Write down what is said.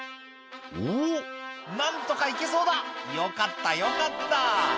「おっ何とかいけそうだよかったよかった」